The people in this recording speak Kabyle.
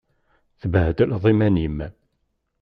Tebbhedleḍ iman-im.